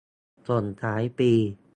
ส่งท้ายปี